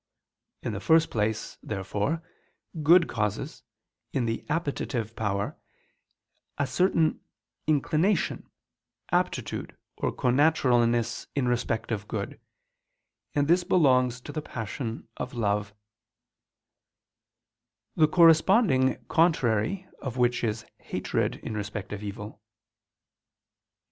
In the first place, therefore, good causes, in the appetitive power, a certain inclination, aptitude or connaturalness in respect of good: and this belongs to the passion of love: the corresponding contrary of which is hatred in respect of evil.